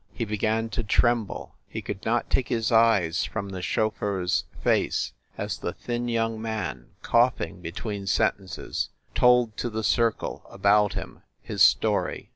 He began to tremble; he could not take his eyes from the chauffeur s face, as the thin young man, coughing between sentences, told to the circle about him his story.